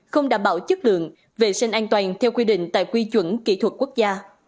không đảm bảo chất lượng vệ sinh an toàn theo quy định tại quy chuẩn kỹ thuật quốc gia